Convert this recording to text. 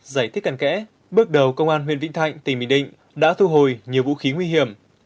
giải thích cần kẽ bước đầu công an huyện vĩnh thạnh tỉnh bình định đã thu hồi nhiều vũ khí nguy hiểm